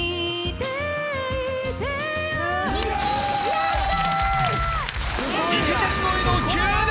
やった！